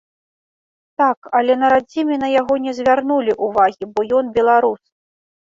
Так, але на радзіме на яго не звярнулі ўвагі, бо ён беларус.